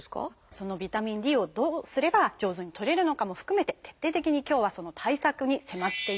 そのビタミンＤをどうすれば上手にとれるのかも含めて徹底的に今日はその対策に迫っていきます。